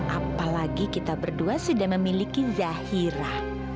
apalagi kita berdua sudah memiliki zahira